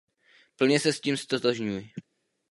Plně se s tím ztotožňuji.